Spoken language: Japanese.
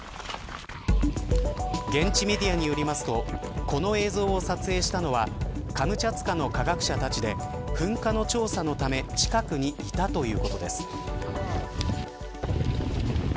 現地メディアによりますとこの映像を撮影したのはカムチャツカの科学者たちで噴火の調査のため近くにいたということです。